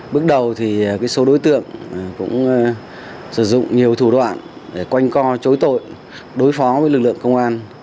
bước đầu thì số đối tượng cũng sử dụng nhiều thủ đoạn để quanh co chối tội đối phó với lực lượng công an